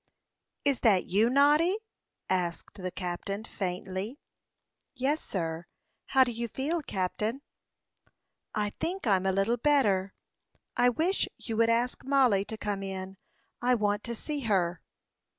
"Is that you, Noddy?" asked the captain, faintly. "Yes, sir. How do you feel, captain?" "I think I'm a little better. I wish you would ask Mollie to come in; I want to see her."